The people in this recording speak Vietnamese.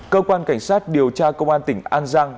cơ quan cảnh sát điều tra công an tỉnh an giang